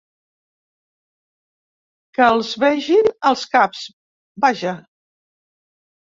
Que els vegin els caps, vaja!